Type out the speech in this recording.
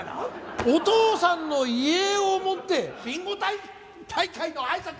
お父さんの遺影を持ってビンゴ大会のあいさつ。